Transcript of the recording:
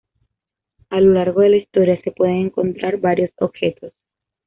A lo largo de la historia, se pueden encontrar varios objetos.